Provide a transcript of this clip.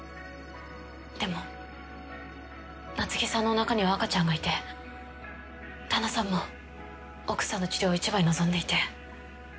でも夏希さんのおなかには赤ちゃんがいて旦那さんも奥さんの治療を一番に望んでいて。